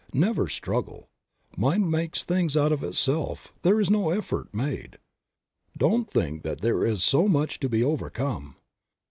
Never struggle, Mind makes things out of Itself, there is no effort made. Don't think that there is so much to be overcome.